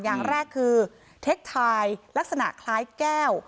อย่างแรกคือเทคทายลักษณะคล้ายแก้ว